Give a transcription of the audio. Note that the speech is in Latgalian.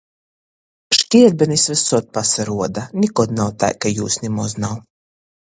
Škierbenis vysod pasaruoda, nikod nav tai, ka jūs nimoz nav.